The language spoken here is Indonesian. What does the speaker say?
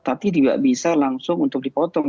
tapi juga bisa langsung untuk dipotong